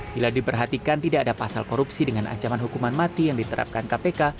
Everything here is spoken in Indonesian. bila diperhatikan tidak ada pasal korupsi dengan ancaman hukuman mati yang diterapkan kpk